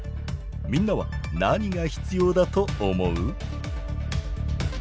みんなは何が必要だと思う？